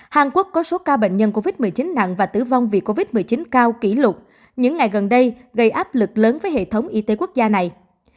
hàn quốc có số ca bệnh nhân covid một mươi chín nặng và tử vong vì covid một mươi chín cao kỷ lục những ngày gần đây gây áp lực lớn với hệ thống y tế quốc gia này